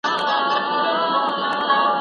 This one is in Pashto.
که نصاب په پښتو وي نو زده کوونکي نه ګنګس کيږي.